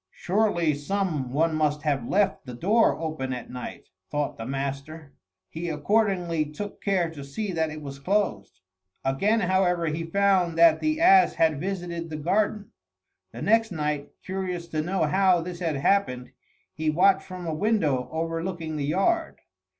"Surely some one must have left the door open at night," thought the master. He accordingly took care to see that it was closed. Again, however, he found that the ass had visited the garden. The next night, curious to know how this had happened, he watched from a window overlooking the yard.